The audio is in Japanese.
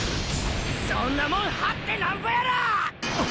そんなもん張ってナンボやろ！